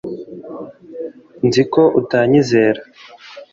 Nzi ko utanyizera